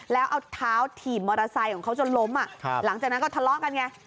แล้วเอาเท้าถีบมอเตอร์ไซค์ของเขาจนล้มหลังจากนั้นก็ทะเลาะกันไง